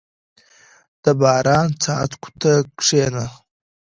• د باران څاڅکو ته کښېنه.